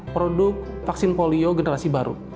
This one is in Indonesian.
produk vaksin polio generasi baru